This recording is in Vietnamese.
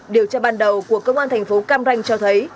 điều tra ban đầu của công an thành phố cam ranh cho thấy